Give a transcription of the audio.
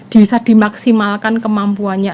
disaat dimaksimalkan kemampuannya